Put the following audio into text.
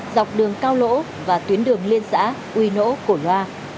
dọc đường cao lỗ và tuyến đường liên xã uy nỗ cổ loa